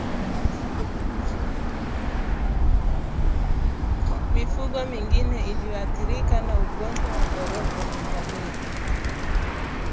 Mifugo mingine inayoathirika na ugonjwa wa ndorobo ni ngamia